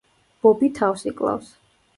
ბობი თავს იკლავს.